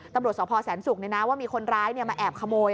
ตำรวจสพแสนศุกร์ว่ามีคนร้ายมาแอบขโมย